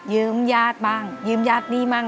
ญาติบ้างยืมญาติหนี้บ้าง